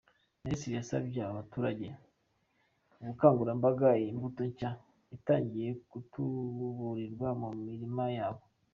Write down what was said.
Minisitiri yasabye aba baturage kubungabunga iyi mbuto nshya itangiye gutuburirwa mu mirima yabo.